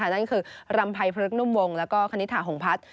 นั่นคือรำภัยพระฤกษ์นุ่มวงและคณิตหาหงพัฒน์